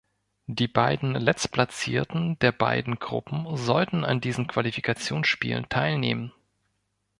Die beiden Letztplatzierten der beiden Gruppen sollten an diesen Qualifikationsspielen teilnehmen.